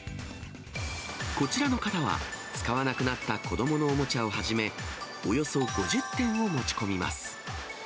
こちらの方は、使わなくなった子どものおもちゃをはじめ、およそ５０点を持ち込みます。